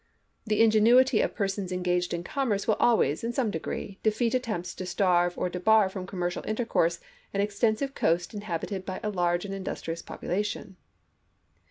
The ingenuity of persons engaged in commerce will always, in some degree, defeat attempts to starve or debar from commercial intercourse an extensive Ru^seuto coast inhabited by a large and industrious popula May 6,1862! tion."